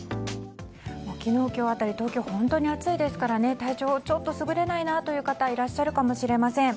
昨日、今日辺り東京、本当に暑いですから体調、ちょっと優れないという方いらっしゃるかもしれません。